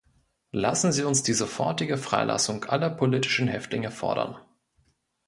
Lassen Sie uns die sofortige Freilassung aller politischen Häftlinge fordern!